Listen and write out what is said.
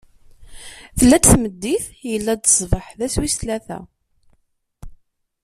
Tella-d tmeddit, illa-d ṣṣbeḥ: d ass wis tlata.